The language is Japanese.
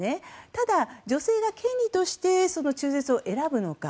ただ、女性が権利として中絶を選ぶのか。